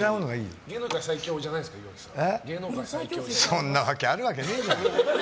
そんなわけあるわけねえじゃん。